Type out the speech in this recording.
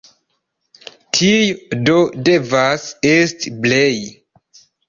Tio do devas esti Brej.